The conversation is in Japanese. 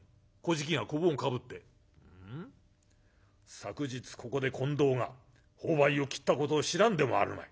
昨日ここで近藤が朋輩を斬ったことを知らんでもあるまい。